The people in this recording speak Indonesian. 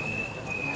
yang doakan doakan